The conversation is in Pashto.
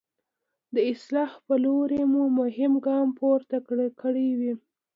د اصلاح په لوري مو مهم ګام پورته کړی وي.